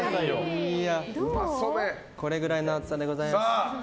これぐらいの厚さでございます。